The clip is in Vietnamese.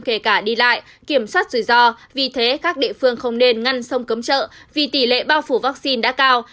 kể cả đi lại kiểm soát rủi ro vì thế các địa phương không nên ngăn sông cấm chợ vì tỷ lệ bao phủ vaccine đã cao